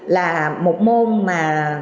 là một môn mà